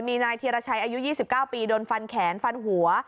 มีนายธีรชัยอายุ๒๙ปีโดนฟันแขนฟันหัว